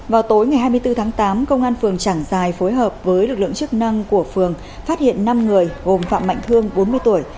vào tối ngày hai mươi bốn tháng tám công an phường trảng giài phối hợp với lực lượng chức năng của phường phát hiện năm người gồm phạm mạnh thương bốn mươi tuổi